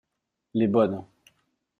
Les bonnes.